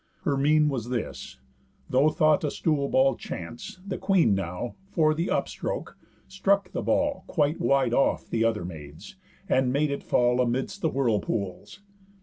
Her mean was this, though thought a stool ball chance: The queen now, for the upstroke, struck the ball Quite wide off th' other maids, and made it fall Amidst the whirlpools.